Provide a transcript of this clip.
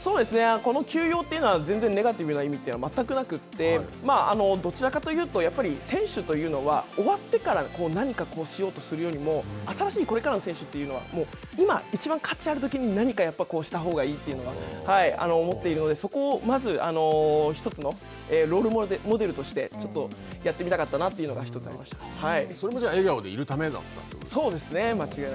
この休養というのは、全然ネガティブな意味では全くなくて、どちらかというと、選手というのは終わってから何かしようとするよりも、新しいこれからの選手というのは、もう今いちばん価値あるときに、何かしたほうがいいというのを思っているので、そこをまず一つのロールモデルとしてちょっとやってみたかったなというのそういう意味では、笑顔でいるそうですね。